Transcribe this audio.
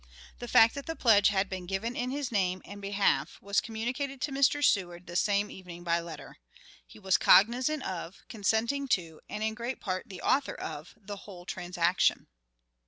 The fact that the pledge had been given in his name and behalf was communicated to Mr. Seward the same evening by letter. He was cognizant of, consenting to, and in great part the author of, the whole transaction.